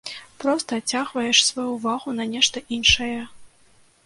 Проста адцягваеш сваю ўвагу на нешта іншае.